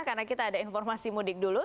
karena kita ada informasi mudik dulu